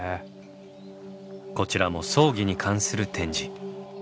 こちらも葬儀に関する展示。